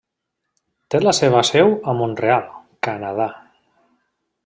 Té la seva seu a Mont-real, Canadà.